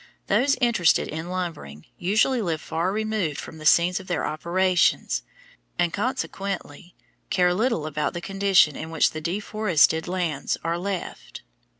Those interested in lumbering usually live far removed from the scenes of their operations, and consequently care little about the condition in which the deforested lands are left.